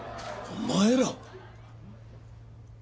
お前ら。